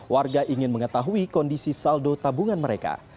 warga ingin mengetahui kondisi saldo tabungan mereka